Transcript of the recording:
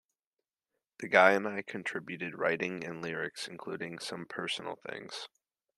The guys and I contributed writing and lyrics, including some personal things.